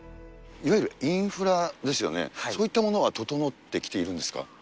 いわゆるインフラですよね、そういったものは整ってきているんですか？